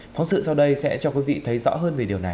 phóng sự sau đây sẽ cho quý vị thấy rõ hơn về điều này